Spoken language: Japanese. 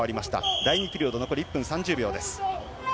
第２ピリオド残り１分３０秒です。